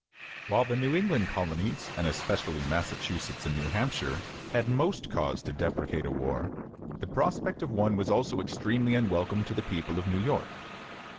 While the New England colonies, and especially Massachusetts and New Hampshire, had most cause to deprecate a war, the prospect of one was also extremely unwelcome to the people of New York.